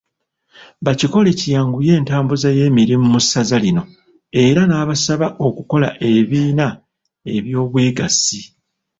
Bakikole kiyanguye entambuza y'emirimu mu ssaza lino era n'abasaba okukola ebibiina eby'obwegassi